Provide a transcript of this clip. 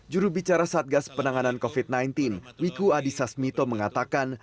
jurubicara satgas penanganan covid sembilan belas miku adhisasmito mengatakan